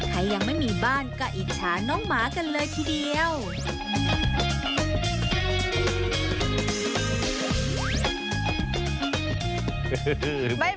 ยังไม่มีบ้านก็อิจฉาน้องหมากันเลยทีเดียว